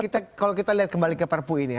tapi kan kalau kita lihat kembali ke perpu ini